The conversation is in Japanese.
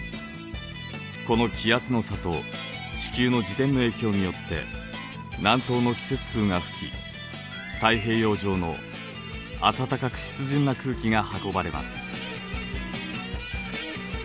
この気圧の差と地球の自転の影響によって南東の季節風が吹き太平洋上の暖かく湿潤な空気が運ばれます。